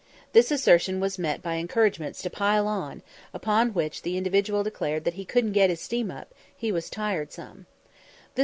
This assertion was met by encouragements to "pile on," upon which the individual declared that he "couldn't get his steam up, he was tired some."